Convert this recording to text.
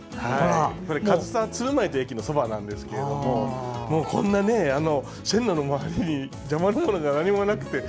上総鶴舞という駅のそばなんですがこんな線路の周りに邪魔なものが何もなくて。